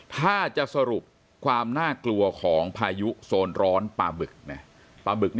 ถ้าจะสรุปความน่ากลัวของพายุโซนร้อนปลาบึกปลาบึก